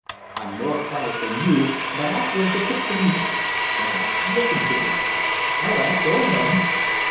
I'm more quiet than you, but I'll drink it to please you. Now listen to me." "All right, go ahead."